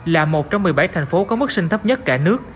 là một trong một mươi bảy thành phố có mức sinh thấp nhất cả nước